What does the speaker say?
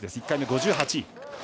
１回目５８位。